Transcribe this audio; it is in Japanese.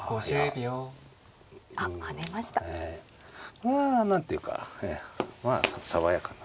これは何ていうかまあ爽やかな。